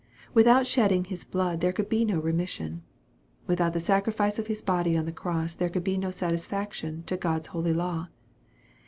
Without shed ding His blood there could be no remission. Without the sacrifice of His body on the cross, there could be no satisfaction to God's holy law.